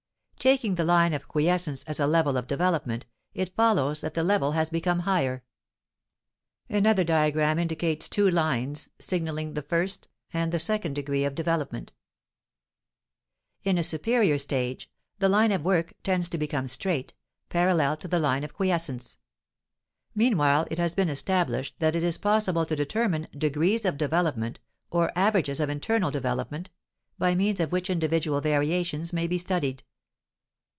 Taking the line of quiescence as a level of development, it follows that the level has become higher. [Illustration: Line of work] In a superior stage, the line of work tends to become straight, parallel to the line of quiescence. Meanwhile it has been established that it is possible to determine degrees of development, or averages of internal development, by means of which individual variations may be studied.